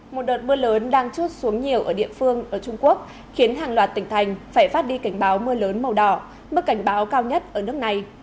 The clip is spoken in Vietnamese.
một đợt mưa lớn đang chốt xuống nhiều ở địa phương ở trung quốc khiến hàng loạt tỉnh thành phải phát đi cảnh báo mưa lớn màu đỏ mức cảnh báo cao nhất ở nước này